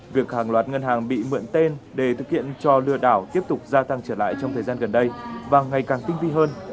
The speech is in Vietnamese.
việc hàng loạt ngân hàng bị mượn tên để thực hiện cho lừa đảo tiếp tục gia tăng trở lại trong thời gian gần đây và ngày càng tinh vi hơn